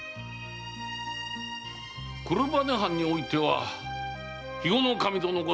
黒羽藩においては肥後守殿ご